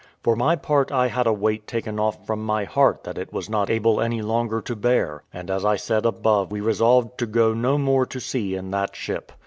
For my part I had a weight taken off from my heart that it was not able any longer to bear; and as I said above we resolved to go no more to sea in that ship.